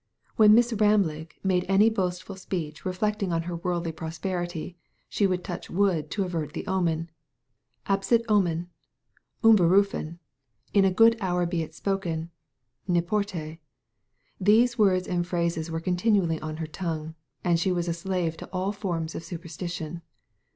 When Miss Ramlig made any boastful speech reflecting on her worldly prosperity, she would touch wood to avert the omen. "Absit omen"; "Umberufen"; "In a good hour be it spoken ";" N'lmporte." These words and phrases were continually on her tong^ue ; and she was a slave to all forms of superstition.